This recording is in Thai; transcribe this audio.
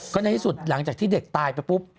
ก็ในที่สุดหลังจากที่เด็กตายไปปุ๊บ